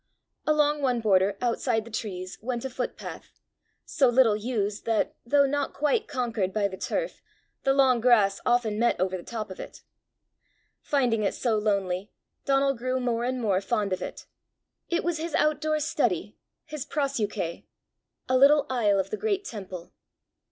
Along one border, outside the trees, went a footpath so little used that, though not quite conquered by the turf, the long grass often met over the top of it. Finding it so lonely, Donal grew more and more fond of it. It was his outdoor study, his προσευχη {Compilers note: proseuchē, [outdoor] place of prayer} a little aisle of the great temple!